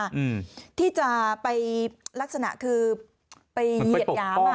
อืมที่จะไปลักษณะคือไปเหยียดหยามอ่ะ